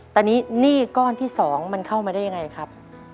แต่หนี้ก้อนที่๒มันเข้ามาได้อย่างไรครับ